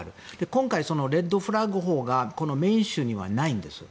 今回、そのレッドフラッグ法がメーン州にはないんです。